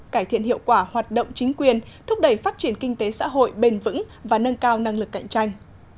cải thiện hiệu quả hoạt động chính quyền thúc đẩy phát triển kinh tế xã hội bền vững và nâng cao năng lực cạnh tranh